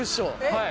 はい。